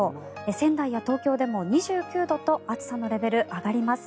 仙台や東京でも２９度と暑さのレベル、上がります。